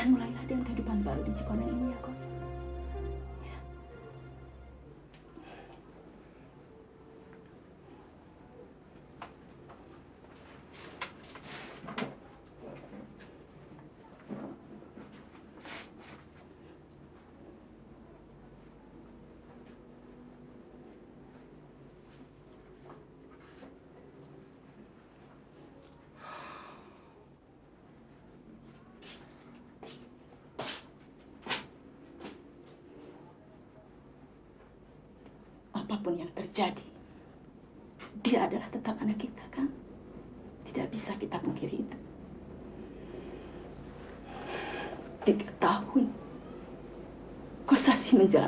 mari mari kita sekarang lapor ke polisi ini urusan mereka